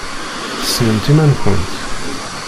Tessnemt iman-nkent.